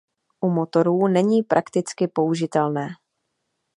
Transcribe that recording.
U motorů není prakticky použitelné.